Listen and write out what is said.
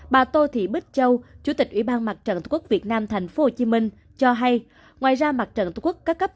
bà tô thị bích châu chủ tịch ủy ban mặt trận tổ quốc việt nam thành phố hồ chí minh cho hay ngoài ra mặt trận tổ quốc các cấp